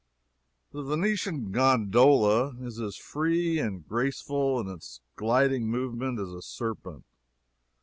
The Venetian gondola is as free and graceful, in its gliding movement, as a serpent.